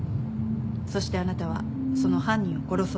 そしてあなたはその犯人を殺そうとした。